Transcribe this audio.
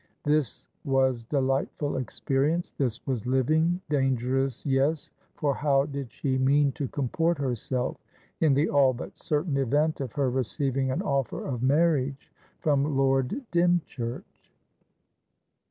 This was delightful experience; this was living! Dangerous, yes; for how did she mean to comport herself in the all but certain event of her receiving an offer of marriage from Lord Dymchurch?